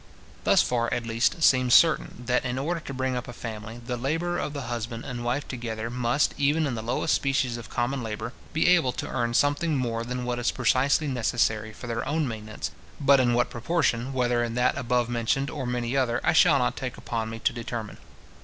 Thus far at least seems certain, that, in order to bring up a family, the labour of the husband and wife together must, even in the lowest species of common labour, be able to earn something more than what is precisely necessary for their own maintenance; but in what proportion, whether in that above mentioned, or many other, I shall not take upon me to determine.